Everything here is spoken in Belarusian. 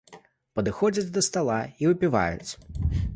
Падыходзяць да стала і выпіваюць.